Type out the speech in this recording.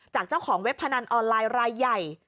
จากเจ้าของเว็บพนันออนไลน์รายใหญ่